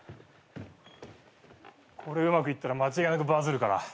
これうまくいったら間違いなくバズるから。